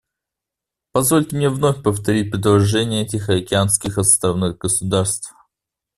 Позвольте мне вновь повторить предложения тихоокеанских островных государств.